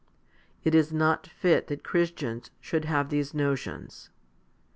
It is not fit that Christians should have these notions.